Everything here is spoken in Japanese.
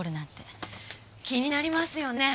気になりますよね。